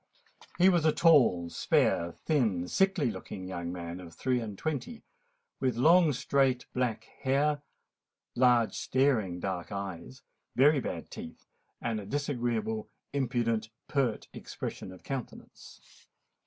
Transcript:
He was a tall, spare, thin, sickly looking young man, of three and twenty; with long, straight, black hair, large staring dark eyes, very bad teeth, and a disagreeable, impudent, pert expression of countenance.